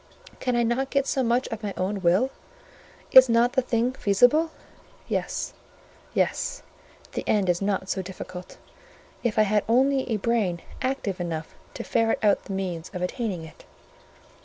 Can I not get so much of my own will? Is not the thing feasible? Yes—yes—the end is not so difficult; if I had only a brain active enough to ferret out the means of attaining it."